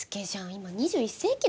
今２１世紀だよ？